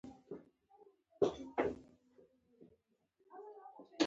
د ښکېلو خواوو څخه وسلو را غونډول.